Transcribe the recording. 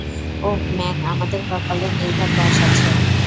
ওহ, man, আমাদের কপালে নির্ঘাত বাঁশ আছে।